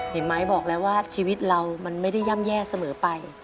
เห็นไหมบอกแล้วว่าชีวิตเรามันไม่ได้ย่ำแย่เสมอไป